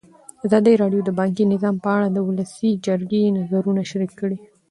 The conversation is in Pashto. ازادي راډیو د بانکي نظام په اړه د ولسي جرګې نظرونه شریک کړي.